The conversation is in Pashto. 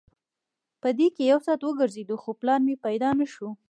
په دې کې یو ساعت وګرځېدو خو پلار مې پیدا نه شو.